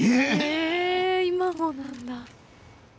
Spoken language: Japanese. へえ今もなんだ。